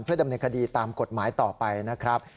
ดำเนินคดีตามกฎหมายต่อไปนะครับ